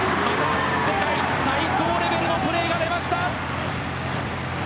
世界最高レベルのプレーが出ました。